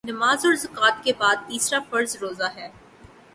نماز اور زکوٰۃ کے بعدتیسرا فرض روزہ ہے